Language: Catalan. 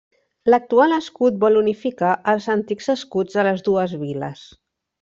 L'actual escut vol unificar els antics escuts de les dues viles.